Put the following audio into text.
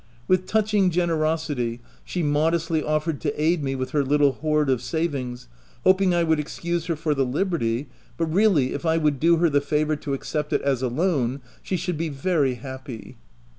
With touching generosity, she modestly offered to aid me with her little hoard of savings, hoping I would " excuse her for the liberty, but really if I would do her the favour to accept it as a loan, she should be very happy."